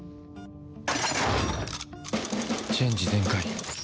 チェンジ全開。